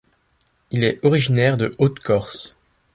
Il est originaire de Haute-Corse.